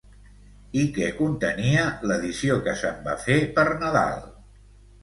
I què contenia l'edició que se'n va fer per Nadal?